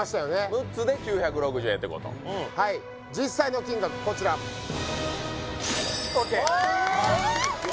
６つで９６０円ってことはい実際の金額こちらＯＫ・え！